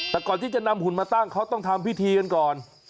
แต่ก่อนที่จะนำหุ่นมาตั้งเขาต้องทำพิธีกันก่อน